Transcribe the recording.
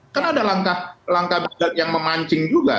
kan ada langkah yang memancing juga